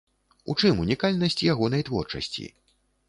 У чым унікальнасць ягонай творчасці?